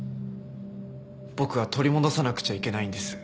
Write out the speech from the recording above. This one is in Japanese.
僕は取り戻さなくちゃいけないんです。